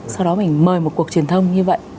sau đó mình mời một cuộc truyền thông như vậy